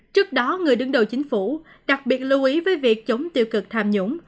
trước đó người đứng đầu chính phủ đặc biệt lưu ý với việc chống tiêu cực tham nhũng